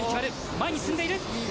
前に進んでいる。